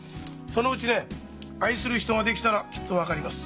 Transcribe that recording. そのうちね愛する人が出来たらきっと分かります。